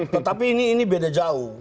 tetapi ini beda jauh